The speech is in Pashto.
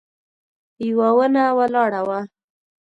يوه ونه ولاړه وه.